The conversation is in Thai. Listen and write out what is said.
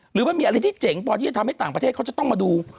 หรือมันมีอะไรที่เจ๋งพอที่จะทำให้ต่างประเทศเขาจะต้องมาดู